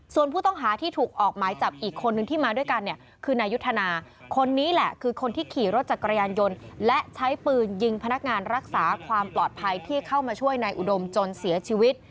ส่วนผู้ต้องหาที่ถูกออกหมายจับอีกคนนึงที่มาด้วยกันเนี่ยคือนายุทธนาคนนี้แหละคือคนที่ขี่รถจักรยานยนต์และใช้ปืนยิงพนักงานรักษาความปลอดภัยที่เข้ามาช่วยนายอุดมจนเสียชีวิต